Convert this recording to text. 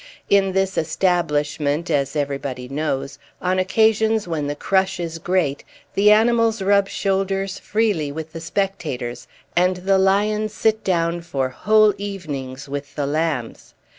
In this establishment, as everybody knows, on occasions when the crush is great, the animals rub shoulders freely with the spectators and the lions sit down for whole evenings with the lambs.